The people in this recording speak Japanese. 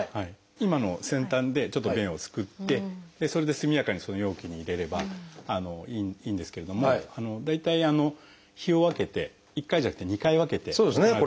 今の先端でちょっと便をすくってそれで速やかにその容器に入れればいいんですけれども大体日を分けて１回じゃなくて２回分けて行うことが多いですね。